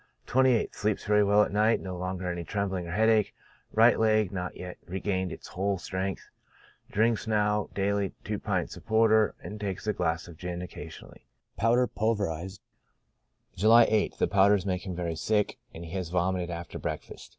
28th. — Sleeps very well at night ; no longer any trem bling or headache ; right leg not yet regained its whole I08 CHRONIC ALCOHOLISM. Strength ; drinks now daily two pints of porter, and takes a glass of gin occasionally. P. pulv. July 8th. — The powders make him very sick, and he has vomited after breakfast.